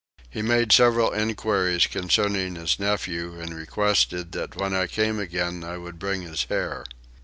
He made several enquiries concerning his nephew and requested that when I came again I would bring his hair.